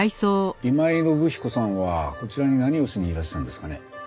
今井信彦さんはこちらに何をしにいらしたんですかね？